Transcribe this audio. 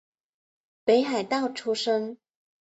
北海道出身。